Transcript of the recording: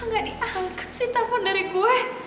apa gak diangkat sih telfon dari gue